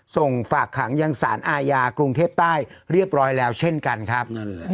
ส่งฝากขังยังสารอาญากรุงเทพใต้เรียบร้อยแล้วเช่นกันครับ